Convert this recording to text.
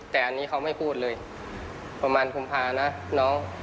แต่อันนี้เขาไม่พูดเลยประมาณกุมภานะน้อง